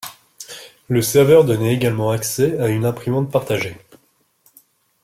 Le serveur donnait également accès à une imprimante partagée.